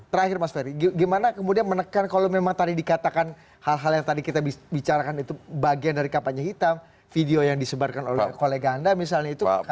terakhir mas ferry gimana kemudian menekan kalau memang tadi dikatakan hal hal yang tadi kita bicarakan itu bagian dari kampanye hitam video yang disebarkan oleh kolega anda misalnya itu